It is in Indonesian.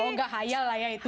oh nggak hayal lah ya itu